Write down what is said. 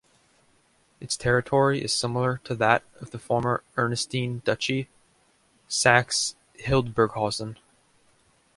Its territory is similar to that of the former Ernestine duchy, Saxe-Hildburghausen.